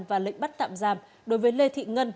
và lệnh bắt tạm giam đối với lê thị ngân